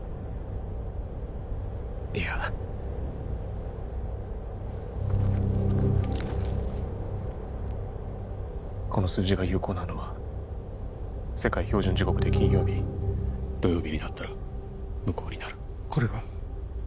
いやこの数字が有効なのは世界標準時刻で金曜日土曜日になったら無効になるこれは？